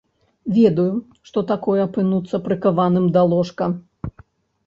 Ведаю што такое апынуцца прыкаваным да ложка.